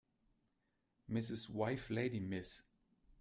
Mrs. wife lady Miss